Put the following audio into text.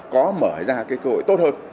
có mở ra cái cơ hội tốt hơn